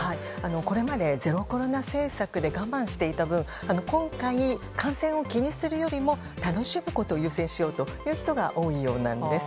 これまでゼロコロナ政策で我慢していた分今回、感染を気にするよりも楽しむことを優先しようという人が多いようなんです。